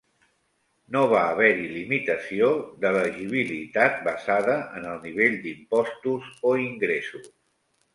No va haver-hi limitació d'elegibilitat basada en el nivell d'impostos o ingressos.